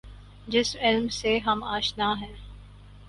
جس علم سے ہم آشنا ہیں۔